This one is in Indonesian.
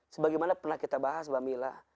sebagaimana pernah kita bahas mbak mila